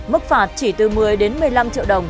mức phạt chỉ từ một mươi đến một mươi năm triệu đồng